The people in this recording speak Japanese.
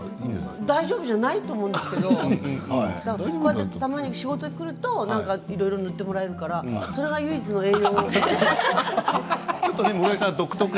大丈夫ではないと思うんですけどたまに仕事に来るといろいろと塗ってもらえるからそれが唯一の栄養なんです。